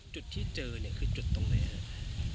จุดที่เจอเนี่ยคือจุดตรงไหนครับ